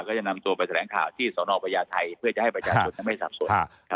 ก็จะนำตัวไปแถลงข่าวที่สนพญาไทยเพื่อจะให้ประชาชนนั้นไม่สับสน